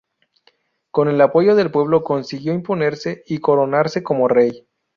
Con el apoyo del pueblo consiguió imponerse y coronarse como rey.